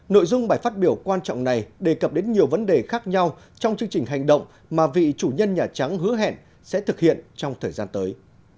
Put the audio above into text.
nội dung bài phát biểu quan trọng này đề cập đến nhiều vấn đề khác nhau trong chương trình hành động mà vị chủ nhân nhà trắng hứa hẹn sẽ thực hiện trong thời gian tới